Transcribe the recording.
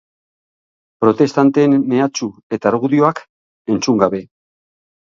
Protestanteen mehatxu eta argudioak entzun gabe.